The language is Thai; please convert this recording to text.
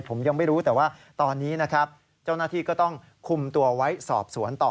ผมยังไม่รู้แต่ว่าตอนนี้นะครับเจ้าหน้าที่ก็ต้องคุมตัวไว้สอบสวนต่อ